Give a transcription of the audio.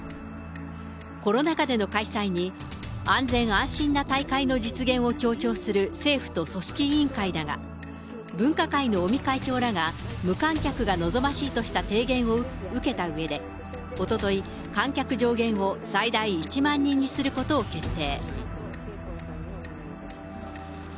コロナ禍での開催に、安全・安心な大会の実現を強調する政府と組織委員会だが、分科会の尾身会長らが無観客が望ましいとした提言を受けたうえで、おととい、観客上限を最大１万人にすることを決定。